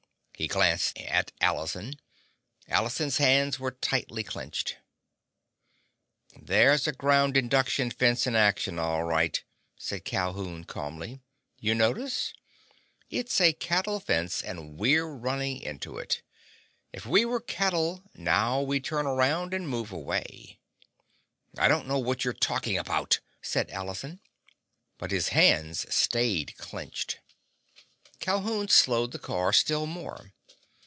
He glanced at Allison. Allison's hands were tightly clenched. "There's a ground induction fence in action, all right," said Calhoun calmly. "You notice? It's a cattle fence and we're running into it. If we were cattle, now, we'd turn around and move away." "I don't know what you're talking about!" said Allison. But his hands stayed clenched. Calhoun slowed the car still more.